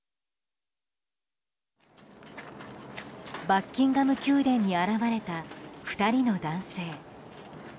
バッキンガム宮殿に現れた２人の男性。